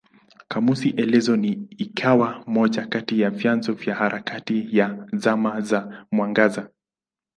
Kamusi elezo hii ikawa moja kati ya vyanzo vya harakati ya Zama za Mwangaza.